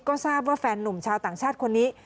ก็ทราบว่าแฟนนุ่มชาวต่างชาติคนนี้